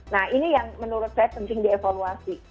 nah ini yang menurut saya penting dievaluasi